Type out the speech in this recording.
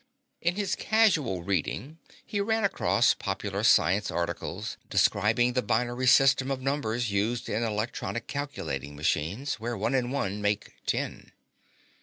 In his casual reading he ran across popular science articles describing the binary system of numbers used in electronic calculating machines, where one and one make ten.